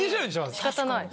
仕方ない。